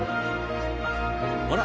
あら？